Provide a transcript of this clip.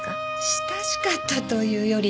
親しかったというより。